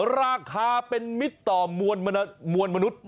ราคาเป็นมิตรต่อมวลมนุษย์